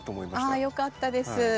あよかったです。